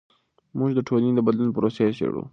موږ د ټولنې د بدلون پروسې څیړو.